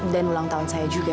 dan ulang tahun saya juga